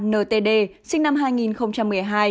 ba ntd sinh năm hai nghìn một mươi hai